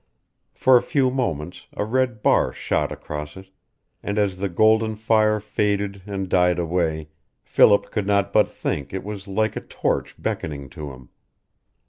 For a few moments a red bar shot across it, and as the golden fire faded and died away Philip could not but think it was like a torch beckoning to him.